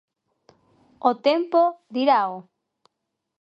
O tempo dirao.